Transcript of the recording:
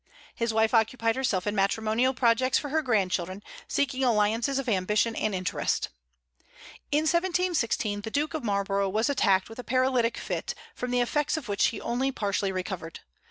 His wife occupied herself in matrimonial projects for her grandchildren, seeking alliances of ambition and interest. In 1716 the Duke of Marlborough was attacked with a paralytic fit, from the effects of which he only partially recovered.